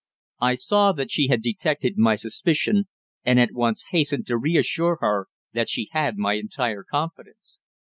I saw that she had detected my suspicion, and at once hastened to reassure her that she had my entire confidence.